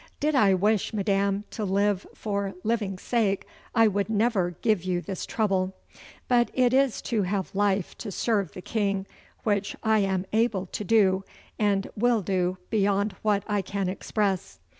Did I wish, madam, to live for living sake I would never give you this trouble, but it is to have life to serve the King, which I am able to doe, and will doe beyond what I can express.